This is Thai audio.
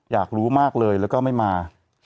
อยากรู้มากเลยแล้วก็ไม่มา